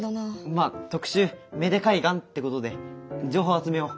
まあ特集芽出海岸ってことで情報集めよう。